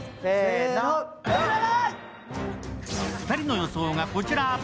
２人の予想がこちら。